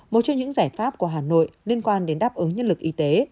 một trong những giải pháp của hà nội liên quan đến đáp ứng nhân lực y tế